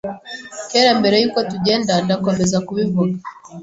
Kera mbere yuko tugenda ndakomeza kubivuga